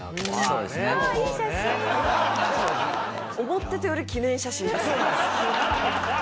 思ってたより記念写真ですね。